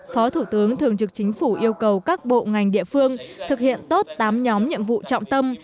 phó thủ tướng thường trực chính phủ yêu cầu các bộ ngành địa phương thực hiện tốt tám nhóm nhiệm vụ trọng tâm